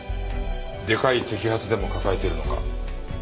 でかい摘発でも抱えてるのか？